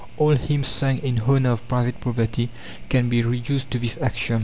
All hymns sung in honour of private property can be reduced to this axiom.